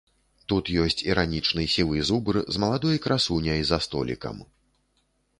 Тут ёсць іранічны сівы зубр з маладой красуняй за столікам.